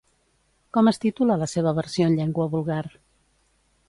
Com es titula la seva versió en llengua vulgar?